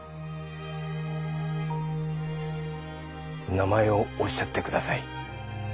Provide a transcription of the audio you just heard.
「名前をおっしゃってください。